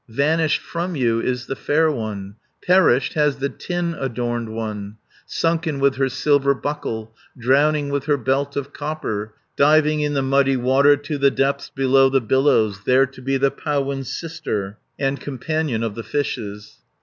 Vanished from you is the fair one, Perished has the tin adorned one. Sunken with her silver buckle, Drowning with her belt of copper, 430 Diving in the muddy water, To the depths below the billows, There to be the powan's sister, And companion of the fishes."